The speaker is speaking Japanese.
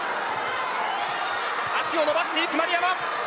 足を伸ばしていく丸山。